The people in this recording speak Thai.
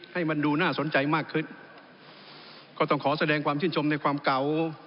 ให้มันดูน่าสนใจมากขึ้นก็ต้องขอแสดงความชื่นชมในความเก่า